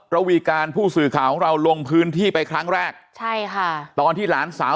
ระวีการผู้สื่อข่าวของเราลงพื้นที่ไปครั้งแรกใช่ค่ะตอนที่หลานสาว